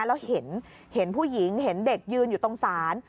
แล้วเห็นผู้หญิงเห็นเด็กยืนอยู่ตรงศาล